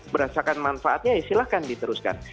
berasakan manfaatnya ya silakan diteruskan